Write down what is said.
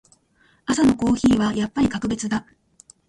朝のコーヒーはやっぱり格別だ。